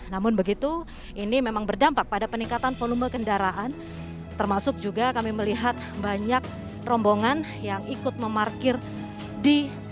namun begitu ini memang berdampak pada peningkatan volume kendaraan termasuk juga kami melihat banyak rombongan yang ikut memarkir di jalan